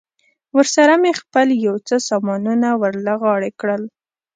ورسره مې خپل یو څه سامانونه ور له غاړې کړل.